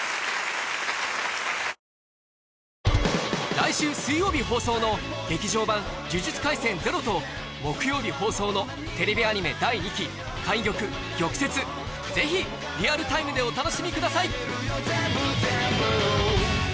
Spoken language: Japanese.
来週水曜日放送の「劇場版呪術廻戦０」と木曜日放送のＴＶアニメ第２期「懐玉・玉折」是非リアルタイムでお楽しみください！